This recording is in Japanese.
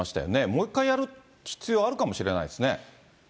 もう一回やる必要あるかもしれないですね。